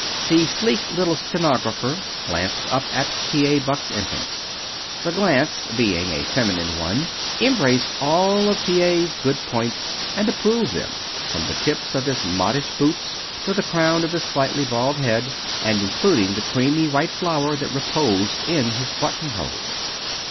The sleek little stenographer glanced up at T. A. Buck's entrance. The glance, being a feminine one, embraced all of T. A.'s good points and approved them from the tips of his modish boots to the crown of his slightly bald head, and including the creamy white flower that reposed in his buttonhole.